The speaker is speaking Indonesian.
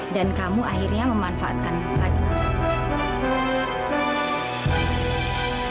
dan kamu akhirnya memanfaatkan fadil